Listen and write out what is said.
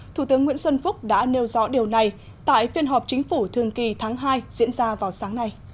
thủ tướng nguyễn xuân phúc đã nêu rõ điều này tại phiên họp chính phủ thường kỳ tháng hai diễn ra vào sáng nay